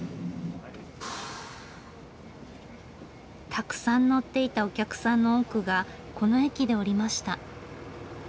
たくさん乗っていたお客さんの多くがこの駅で降りました。